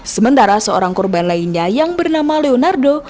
sementara seorang korban lainnya yang bernama leonardo